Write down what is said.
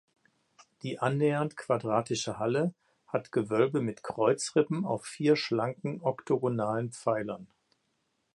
Die annähernd quadratische Halle hat Gewölbe mit Kreuzrippen auf vier schlanken oktogonalen Pfeilern.